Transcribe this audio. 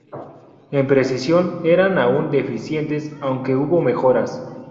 En precisión eran aún deficientes, aunque hubo mejoras.